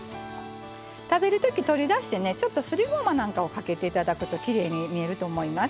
食べる時取り出してねちょっとすりごまなんかをかけて頂くときれいに見えると思います。